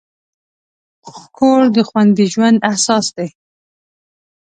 کور د خوندي ژوند اساس دی.